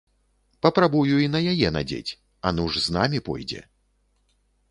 Папрабую і на яе надзець, а ну ж з намі пойдзе.